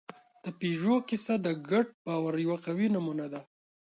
د پيژو کیسه د ګډ باور یوه قوي نمونه ده.